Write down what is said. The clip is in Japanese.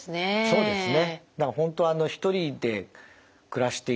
そうですね。